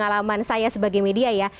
dan saya sebagai media ya